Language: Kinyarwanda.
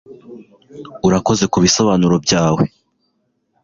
urakoze kubisobanuro byawe